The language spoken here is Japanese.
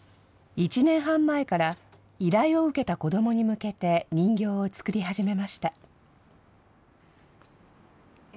１年半前から、依頼を受けた子どもに向けて、人形を作り始めました。